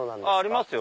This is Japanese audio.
ありますよ。